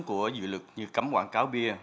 của dự luật như cấm quảng cáo bia